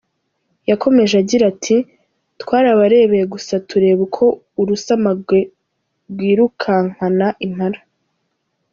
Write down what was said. Yakomeje agira ati: “Twararebereye gusa tureba uko urusamagwe rwirukankana impala.